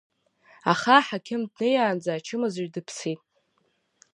Аха аҳақьым днеиаанӡа ачымазаҩ дыԥсит.